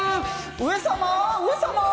上様、上様。